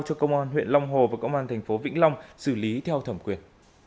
cho công an huyện long hồ và công an thành phố vĩnh long xử lý theo thẩm quyền